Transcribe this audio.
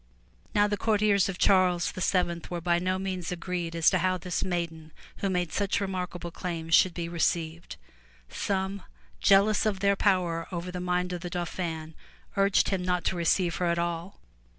Now the courtiers of Charles VII were by no means agreed as to how this maiden who made such remarkable claims should be received. Some, jealous of their power over the mind of the Dauphin, urged him not to receive her at all.